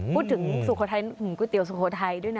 สุโขทัยก๋วยเตี๋ยสุโขทัยด้วยนะ